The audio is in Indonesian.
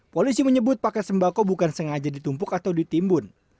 polisi menyebut paket sembako bukan sengaja ditumpuk atau ditimbun